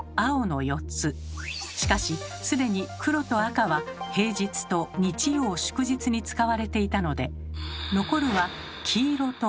しかし既に黒と赤は平日と日曜・祝日に使われていたので残るは黄色と青。